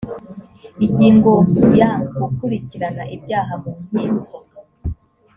ingingo ya gukurikirana ibyaha mu nkiko